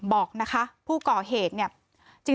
บอกนะคะผู้ก่อเหตุเนี่ย